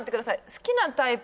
好きなタイプ